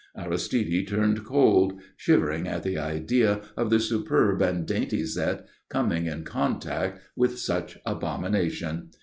Aristide turned cold, shivering at the idea of the superb and dainty Zette coming in contact with such abomination.